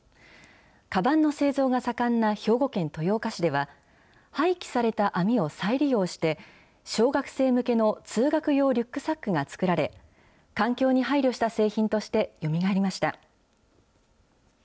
かばんの製造が盛んな兵庫県豊岡市では、廃棄された網を再利用して、小学生向けの通学用リュックサックが作られ、環境に配慮した製品としてよみがえりました。